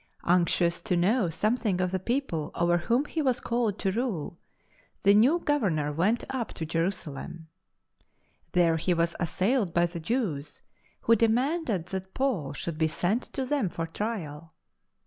Anxious to know something of the people over whom he was called to rule, tlie new Governor went up to Jerusalem. There he was assailed by the Jews, who demanded that Paul should be sent to them for trial.